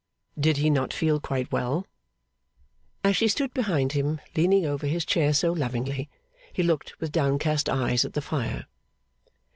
Did he not feel quite well? As she stood behind him, leaning over his chair so lovingly, he looked with downcast eyes at the fire.